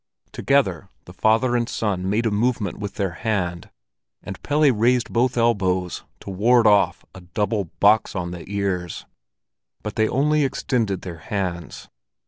Together the father and son made a movement with their hand, and Pelle raised both elbows to ward off a double box on the ears. But they only extended their hands.